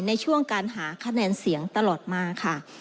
ในช่วงการหาคะแนนเสียงตลอดมาค่ะ